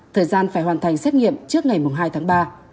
thời gian phải hoàn thành xét nghiệm trước ngày hai tháng ba